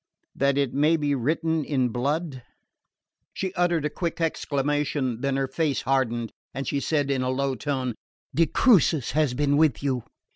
"That it may be written in blood." She uttered a quick exclamation; then her face hardened, and she said in a low tone: "De Crucis has been with you."